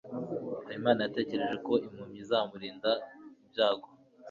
habimana yatekereje ko impumyi izamurinda ibyago